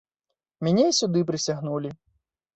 Мяне і сюды прысягнулі.